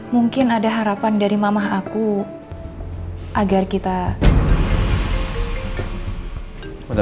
mungkin ada harapan dari mama aku tapi aku gak tahu